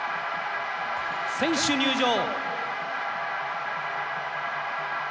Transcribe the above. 選手入場